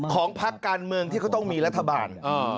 พักการเมืองที่เขาต้องมีรัฐบาล